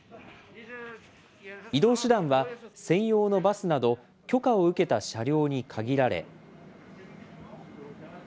移動手段は専用のバスなど、許可を受けた車両に限られ。